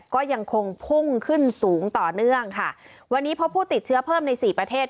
ก็ยังคงพุ่งขึ้นสูงต่อเนื่องค่ะวันนี้พบผู้ติดเชื้อเพิ่มในสี่ประเทศ